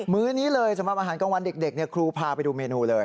ื้อนี้เลยสำหรับอาหารกลางวันเด็กครูพาไปดูเมนูเลย